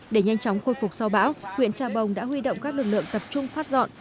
để nhanh chóng khôi phục sau bão huyện trà bồng đã huy động các lực lượng tập trung phát dọn